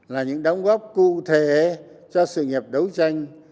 là những đóng góp cụ thể cho sự nghiệp đấu tranh